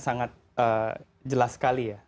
sangat jelas sekali ya